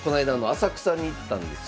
浅草に行ったんですよ。